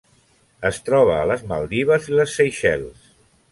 Es troba a les Maldives i les Seychelles.